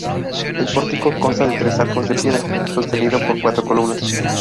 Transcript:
El pórtico consta de tres arcos de piedra sostenido por cuatro columnas.